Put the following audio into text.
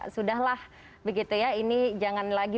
sudah lah ini jangan lagi